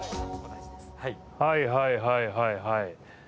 はいはいはいはいはい。